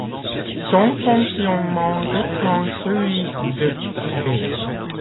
Son fonctionnement reprend celui de eBay.